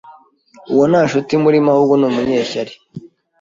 uwo nta nshuti imurimo ahubwo ni umunyeshyari.